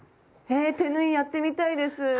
え手縫いやってみたいです！